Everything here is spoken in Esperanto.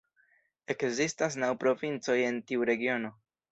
Ekzistas naŭ provincoj en tiu regiono.